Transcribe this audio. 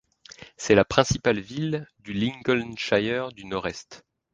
C'est la principale ville du Lincolnshire du Nord-Est.